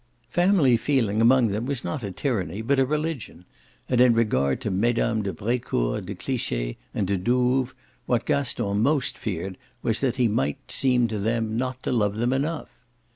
Family feeling among them was not a tyranny but a religion, and in regard to Mesdames de Brecourt, de Cliche and de Douves what Gaston most feared was that he might seem to them not to love them enough.